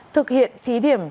thực hiện thí điểm